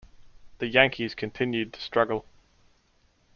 The Yankees continued to struggle.